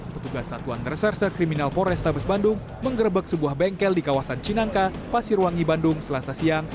petugas satuan reserse kriminal porestabes bandung mengerebek sebuah bengkel di kawasan cinangka pasirwangi bandung selasa siang